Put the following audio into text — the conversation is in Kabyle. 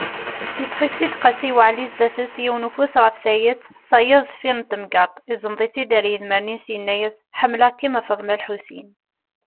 Yeṭṭef-itt-id Qasi waɛli zdat-s, yiwen ufus ɣef wayet, tayeḍ deffir n temgerḍt, iẓmeḍ-itt-id ar yidmaren-is, yenna-yas: Ḥemmleɣ-kem a Faḍma lḥusin.